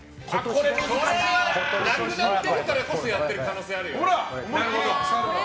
これはなくなってるからこそやってる可能性あるよね。